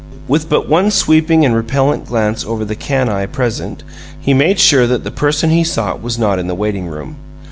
With but one sweeping and repellent glance over the canaille present, he made sure that the person he sought was not in the waiting room.